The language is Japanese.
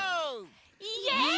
イエイ！